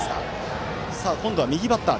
今度は右バッター。